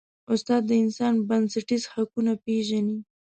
استاد د انسان بنسټیز حقونه پېژني.